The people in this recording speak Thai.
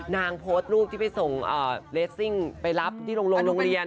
นางโพสต์รูปที่ไปส่งเลสซิ่งไปรับที่โรงเรียน